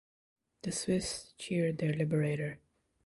The Swiss cheer their Liberator.